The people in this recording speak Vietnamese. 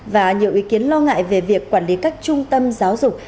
và nhiều ý kiến lo ngại về việc quản lý các trung tâm giáo dục